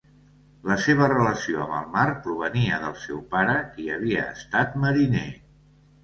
La seva relació amb el mar provenia del seu pare qui havia estat mariner.